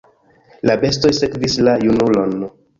La bestoj sekvis la junulon.